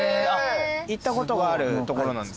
行ったことがある所なんですか？